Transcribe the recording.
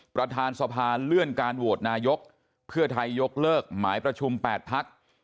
ประธานสภาเลื่อนการโหวตนายกเพื่อไทยยกเลิกหมายประชุม๘พัก